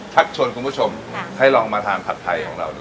ชวนคุณผู้ชมให้ลองมาทานผัดไทยของเราดู